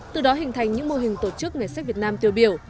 từ đó hình thành những mô hình tổ chức ngày sách việt nam tiêu biểu